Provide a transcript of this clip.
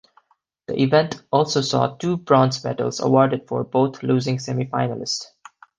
The event also saw two bronze medals awarded for both losing semifinalist.